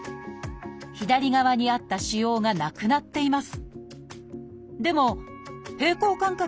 左側にあった腫瘍がなくなっています。